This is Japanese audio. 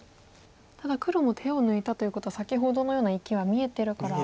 ただ黒も手を抜いたということは先ほどのような生きは見えてるから。